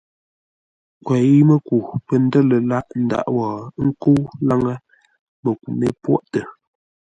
Kwěi-mə́ku pə̂ ndə̂r lə̂ lâʼ ndǎʼ wó, ə́ nkə́u láŋə́, məku mé pwôʼtə.